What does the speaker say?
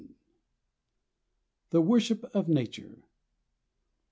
] THE WORSHIP OF NATURE.